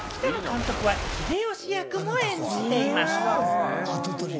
北野監督は秀吉役も演じています。